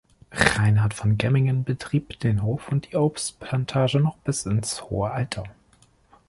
Reinhard von Gemmingen betrieb den Hof und die Obstplantage noch bis ins hohe Alter.